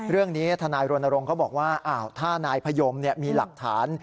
เรื่องนี้ทนายโรนโรงเขาบอกว่าถ้านายพยมน์มีหลักฐาน